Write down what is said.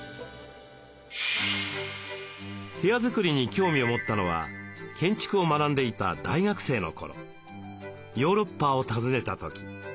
部屋作りに興味を持ったのは建築を学んでいた大学生の頃ヨーロッパを訪ねた時。